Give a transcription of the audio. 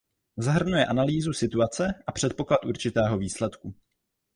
Zahrnuje analýzu situace a předpoklad určitého výsledku.